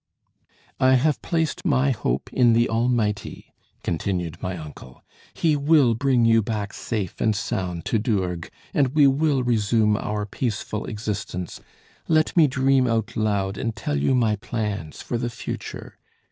"I have placed my hope in the Almighty," continued my uncle, "He will bring you back safe and sound to Dourgues, and we will resume our peaceful existence. Let me dream out loud and tell you my plans for the future.